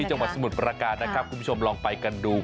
จังหวัดสมุทรประการนะครับคุณผู้ชมลองไปกันดู